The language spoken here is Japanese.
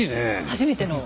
初めての。